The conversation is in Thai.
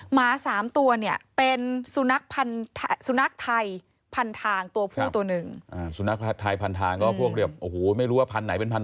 หมาสามตัวเนี่ยเป็นสุนัขไทยพันทางตัวผู้ตัวนึง